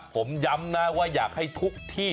ผมย้ำนะว่าอยากให้ทุกที่